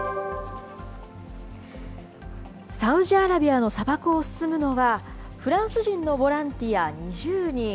サウジアラビアの砂漠を進むのは、フランス人のボランティア２０人。